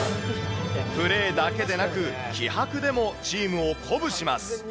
プレーだけでなく、気迫でもチームを鼓舞します。